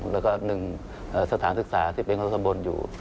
แล้วก็๑สถานศึกษาที่เป็นของตำบลอยู่